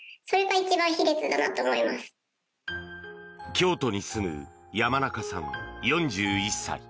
京都に住む山中さん、４１歳。